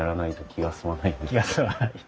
気が済まない。